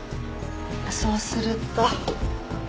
そうすると。